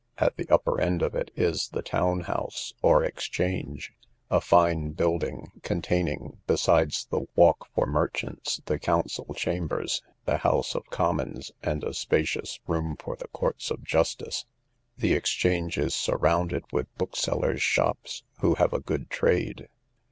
At the upper end of it is the town house, or exchange, a fine building, containing, besides the walk for merchants, the council chambers, the house of commons, and a spacious room for the courts of justice. The exchange is surrounded with booksellers' shops, who have a good trade.